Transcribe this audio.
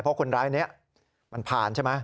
เพราะคนร้ายนี้มันผ่านใช่ไหม